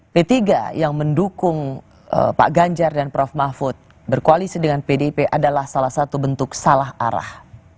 p tiga yang mendukung pak ganjar dan prof mahfud berkoalisi dengan pdip adalah salah satu bentuk salah arah